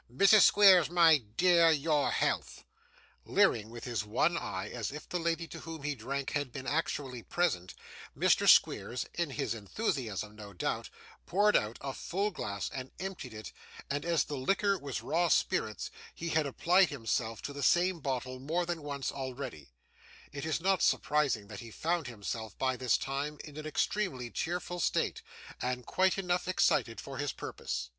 Mrs. Squeers, my dear, your health!' Leering with his one eye as if the lady to whom he drank had been actually present, Mr. Squeers in his enthusiasm, no doubt poured out a full glass, and emptied it; and as the liquor was raw spirits, and he had applied himself to the same bottle more than once already, it is not surprising that he found himself, by this time, in an extremely cheerful state, and quite enough excited for his purpose.